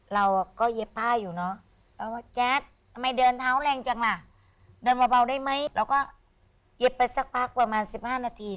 เราก็เย็บไปสักพักประมาณ๑๕นาที